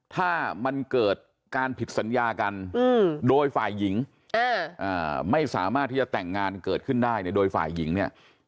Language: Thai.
ถ้ามันเกิดการผิดสัญญากันโดยฝ่ายหญิงไม่สามารถที่จะแต่งงานเกิดขึ้นได้เนี่ยโดยฝ่ายหญิงเนี่ย